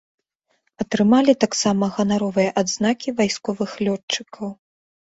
Атрымалі таксама ганаровыя адзнакі вайсковых лётчыкаў.